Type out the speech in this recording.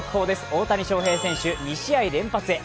大谷翔平選手、２試合連発へ。